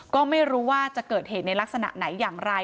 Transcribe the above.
ก็ไม่รู้ว่าจะเกิดเหตุในลักษณะไหนอย่างไร